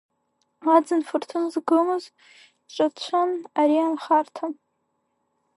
Аӡын фырҭын згымыз ҿацәын ари анхарҭа.